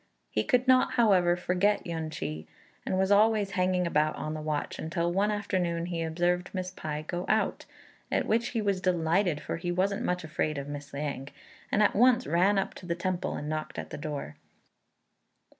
He could not, however, forget Yün ch'i, and was always hanging about on the watch, until one afternoon he observed Miss Pai go out, at which he was delighted, for he wasn't much afraid of Miss Liang, and at once ran up to the temple and knocked at the door.